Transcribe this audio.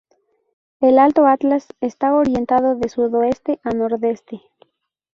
El Alto Atlas está orientado de sudoeste a nordeste.